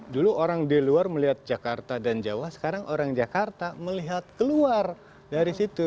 dulu orang di luar melihat jakarta dan jawa sekarang orang jakarta melihat keluar dari situ